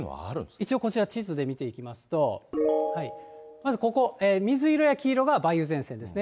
一応、こちら地図で見ていきますと、まずここ、水色や黄色が梅雨前線ですね。